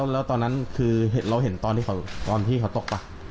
แล้วเราเห็นตอนที่เขาตกป่ะ